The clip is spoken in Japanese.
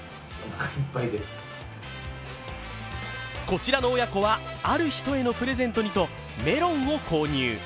こちらの親子は、ある人へのプレゼントにとメロンを購入。